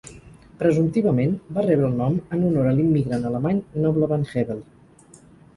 Presumptivament va rebre el nom en honor a l'immigrant alemany Noble Van Hebel.